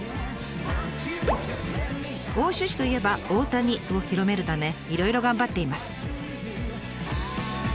「奥州市といえば大谷」を広めるためいろいろ頑張っています。